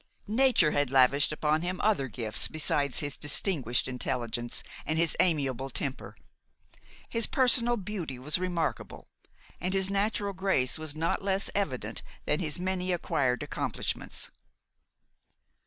Nature had lavished upon him other gifts besides his distinguished intelligence and his amiable temper: his personal beauty was remarkable, and his natural grace was not less evident than his many acquired accomplishments.